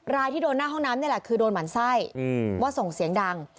รายที่โดนหน้าห้องน้ำนี่แหละคือโดนหมั่นไส้ว่าส่งเสียงดัง